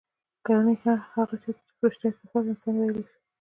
ګنې هغه چا ته چې فرشته صفت انسان وييلی شي